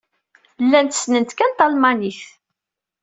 Llant ssnent kan talmanit.